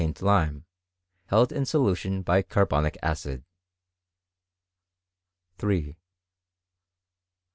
binfid lime, held in solution by carbonic acid, ''W 3. Dr.